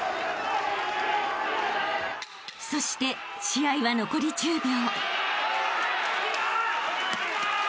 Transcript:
［そして試合は残り１０秒］